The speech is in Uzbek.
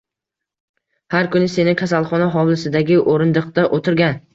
Har kuni seni kasalxona hovlisidagi o’rindiqda o’tirgan